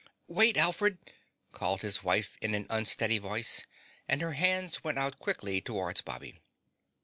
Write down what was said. "Wait, Alfred!" called his wife in an unsteady voice and her hands went out quickly towards Bobby.